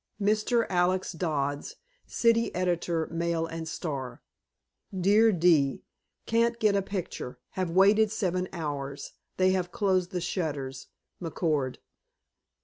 Mr. Alex Dodds, City Editor, Mail and Star: Dear D. Can't get a picture. Have waited seven hours. They have closed the shutters. McCord.